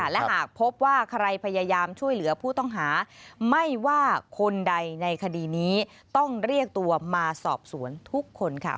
และหากพบว่าใครพยายามช่วยเหลือผู้ต้องหาไม่ว่าคนใดในคดีนี้ต้องเรียกตัวมาสอบสวนทุกคนค่ะ